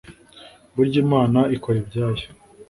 burya imana ikora ibyayo